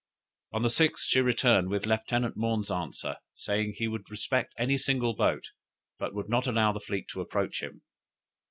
"On the 6th she returned with Lieutenant Maughn's answer, saying, he would respect any single boat; but would not allow the fleet to approach him.